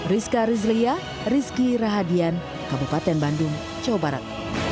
rizka rizlia rizky rahadian kabupaten bandung jawa barat